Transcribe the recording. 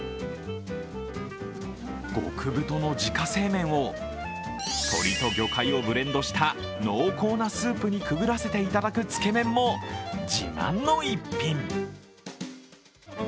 極太の自家製麺を鶏と魚介をブレンドした濃厚なスープにくぐらせていただくつけ麺も自慢の逸品。